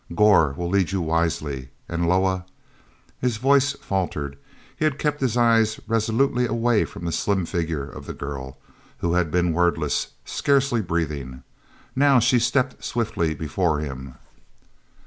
Gor will lead you wisely, and Loah...." His voice faltered; he had kept his eyes resolutely away from the slim figure of the girl, who had been wordless, scarcely breathing. Now she stepped swiftly before him.